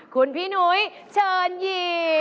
คุณพี่หนุ้ยเชิญยี่